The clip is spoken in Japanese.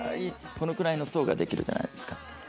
このくらいの層ができるじゃないですか